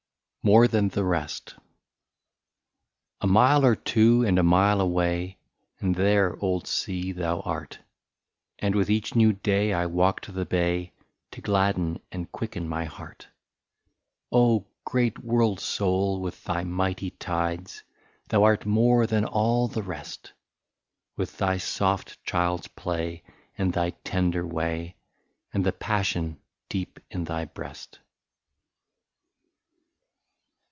45 MORE THAN THE REST. A MILE or two ami a mile away, And there, old sea, thou art ; And with each new day I walk to the bay, To gladden and quicken my heart. Oh ! great world soul with thy mighty tides, Thou art more than all the rest, With thy soft child's play and thy tender way. And the passion deep in thy breast.